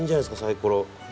サイコロ。